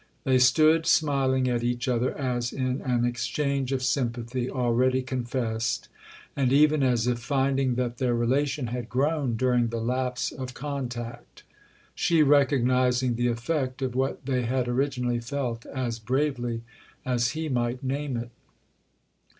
They stood smiling at each other as in an exchange of sympathy already confessed—and even as if finding that their relation had grown during the lapse of contact; she recognising the effect of what they had originally felt as bravely as he might name it.